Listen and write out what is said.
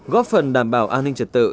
góp phần đảm bảo an ninh trật tự